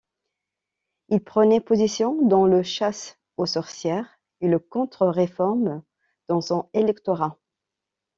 Il prenaient position dans le chasse aux sorcières et le Contre-Réforme dans son électorat.